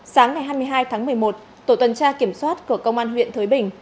sáng ngày hai mươi hai tháng một mươi một tổ tuần tra kiểm soát của công an huyện thới bình